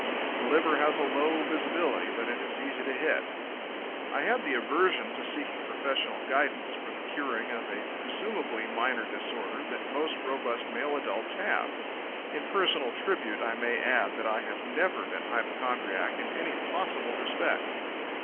The liver has a low visibility but is easy to hit. I had the aversion to seeking professional guidance for the curing of a presumably minor disorder that most robust male adults have. In personal tribute I may add that I have never been hypochondriac in any possible respect.